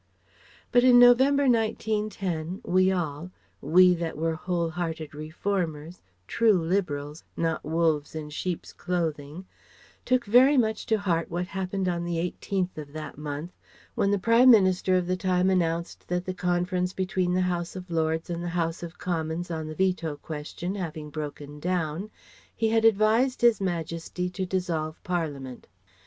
But in November, 1910, we all we that were whole hearted reformers, true Liberals, not wolves in sheep's clothing, took very much to heart what happened on the 18th of that month, when the Prime Minister of the time announced that the Conference between the House of Lords and the House of Commons on the Veto question having broken down he had advised His Majesty to dissolve Parliament.